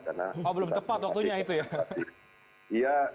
karena oh belum tepat waktunya itu ya